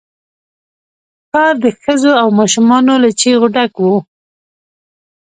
ښار د ښځو او ماشومان له چيغو ډک وو.